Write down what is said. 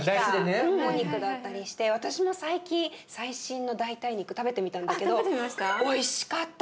私も最近最新の代替肉食べてみたんだけどおいしかった